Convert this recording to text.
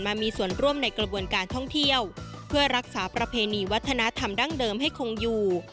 มามีส่วนร่วมในกระบวนการท่องเที่ยวเพื่อรักษาประเพณีวัฒนธรรมดั้งเดิมให้คงอยู่